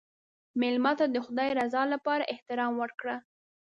مېلمه ته د خدای رضا لپاره احترام ورکړه.